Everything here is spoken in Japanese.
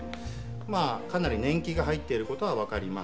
まあかなり年季が入っている事はわかりますが。